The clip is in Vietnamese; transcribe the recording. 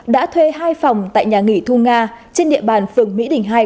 đã thuê hai phòng tại nhà nghỉ thu nga trên địa bàn phường mỹ đình hai